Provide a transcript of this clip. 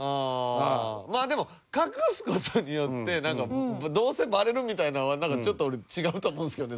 まあでも隠す事によってなんかどうせバレるみたいなのはちょっと俺違うと思うんですけどね